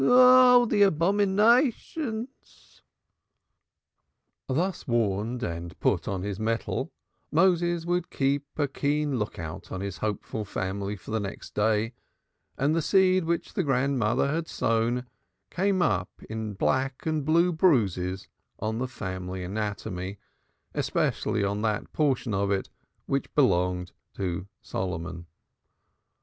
Oh, the abominations!" Thus warned and put on his mettle, Moses would keep a keen look out on his hopeful family for the next day, and the seed which the grandmother had sown came up in black and blue bruises or, the family anatomy, especially on that portion of it which belonged to Solomon.